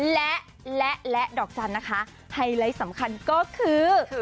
และและดอกจันทร์นะคะไฮไลท์สำคัญก็คือ